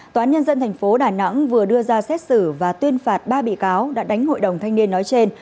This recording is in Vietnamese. tòa án nhân dân tp đà nẵng vừa đưa ra xét xử và tuyên phạt ba bị cáo đã đánh hội đồng thanh niên nói trên